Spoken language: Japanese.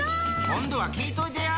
今度は聞いといてや！